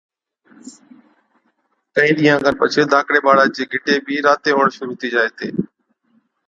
ڪهِين ڏِينهان کن پڇي ڌاڪڙي ٻاڙا چي گِٽي بِي راتي هُوَڻ شرُوع هُتِي جائي هِتي